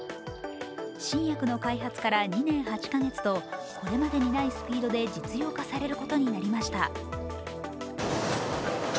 新薬の開発から２年８か月とこれまでにないスピードで実用化されることになりました。